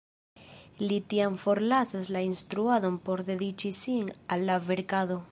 Li tiam forlasas la instruadon por dediĉi sin al la verkado.